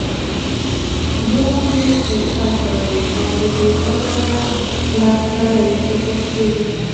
بیا پرې سرکه اچوئ او د بوتل سر کلک تړئ په پښتو ژبه.